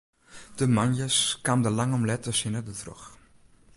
De moandeis kaam dan lang om let de sinne dertroch.